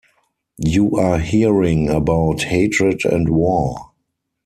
You are hearing about hatred and war.